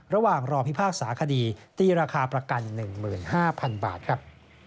ระหว่างรอพิพากษาคดีตีราคาประกัน๑๕๐๐๐บาทครับ